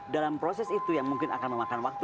dalam proses itu yang mungkin akan memakan waktu